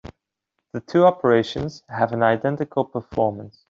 The two operations have an identical performance.